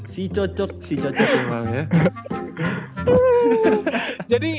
si cocok si cocok emang ya